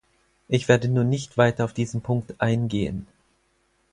Ich werde nun nicht weiter auf diesen Punkt eingehen.